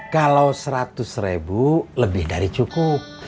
kalau seratus ribu lebih dari cukup